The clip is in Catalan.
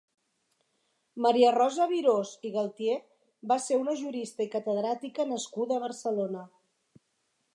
Maria Rosa Virós i Galtier va ser una jurista i catedràtica nascuda a Barcelona.